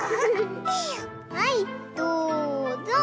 はいどうぞ！